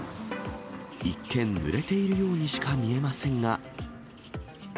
一見、ぬれているようにしか見えませんが。